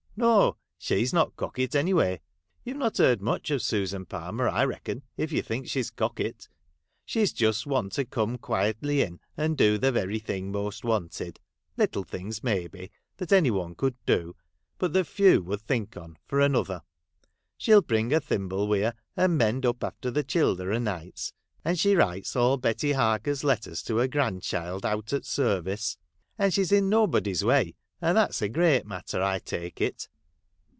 No ! she's not cocket any way. You Ve not heard much of Susan Palmer, I reckon, if you think she 's cocket. She 's just one to come quietly in, and do the very thing most wanted ; little things, maybe, that any one could do, but that few would think on, for another. She'll bring her thimble wi' her, and mend up after the childer o' nights, — and she writes all Betty Barker's letters to her grandchild out at service, — and she 's in no body's way, and that's a great matter, I take it.